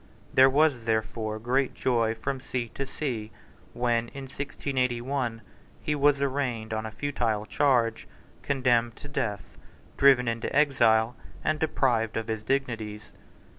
There was therefore great joy from sea to sea when, in 1681, he was arraigned on a futile charge, condemned to death, driven into exile, and deprived of his dignities.